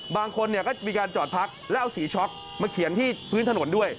บางคนก็มีการจอดพักแล้วเอาสีช็อกมาเขียนที่พื้นถนนด้วย